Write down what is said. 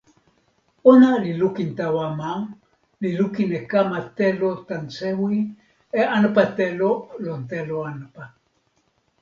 ona li lukin tawa ma, li lukin e kama telo tan sewi, e anpa telo lon telo anpa.